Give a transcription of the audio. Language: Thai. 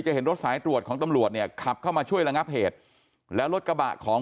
เห็นรถสายตรวจของตำรวจเนี่ยขับเข้ามาช่วยระงับเหตุแล้วรถกระบะของ